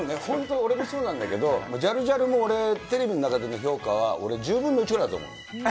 俺もそうなんだけど、ジャルジャルも、俺、テレビの中での評価は俺、１０分の１ぐらいだと思う。